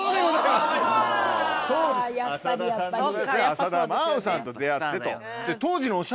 浅田真央さんと出会ってと。